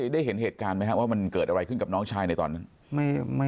ได้เห็นเหตุการณ์ไหมครับว่ามันเกิดอะไรขึ้นกับน้องชายในตอนนั้น